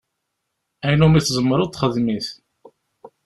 Ayen umi tzemreḍ, xdem-it!